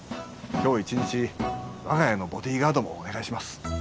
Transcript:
今日一日我が家のボディーガードもお願いします。